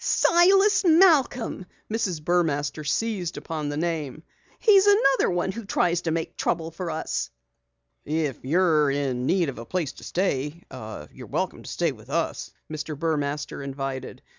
"Silas Malcom!" Mrs. Burmaster seized upon the name. "He's another who tries to make trouble for us!" "If you're in need of a place to stay, we'll be glad to have you remain with us," Mr. Burmaster invited.